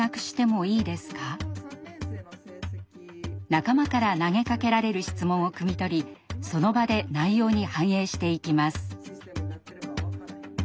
仲間から投げかけられる質問をくみ取りその場で内容に反映していきます。